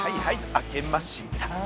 開けました。